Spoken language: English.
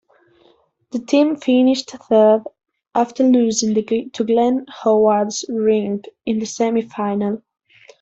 The team finished third, after losing to Glenn Howard's rink in the semi-final.